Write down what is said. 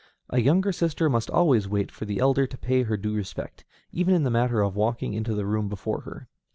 A younger sister must always wait for the elder and pay her due respect, even in the matter of walking into the room before her.